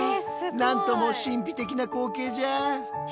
なんとも神秘的な光景じゃ！